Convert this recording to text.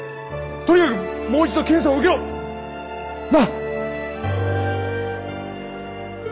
とにかくもう一度検査を受けろ。な。